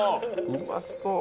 うまそう。